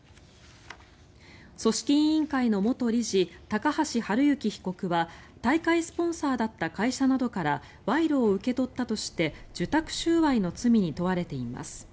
組織委員会の元理事高橋治之被告は大会スポンサーだった会社などから賄賂を受け取ったとして受託収賄の罪に問われています。